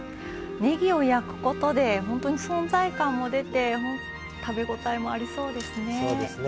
ねぎを焼くことで本当に存在感も出て食べ応えもありそうですね。